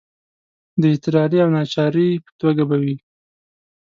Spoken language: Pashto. د اضطراري او ناچارۍ په توګه به وي.